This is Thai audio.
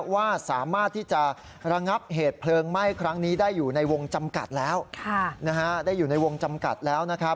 ว่าสามารถที่จะระงับเหตุเพลิงไหม้ครั้งนี้ได้อยู่ในวงจำกัดแล้ว